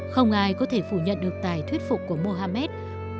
không ai có thể phủ nhận được tài thuyết phục của mohammed